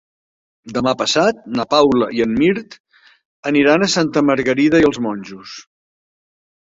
Demà passat na Paula i en Mirt aniran a Santa Margarida i els Monjos.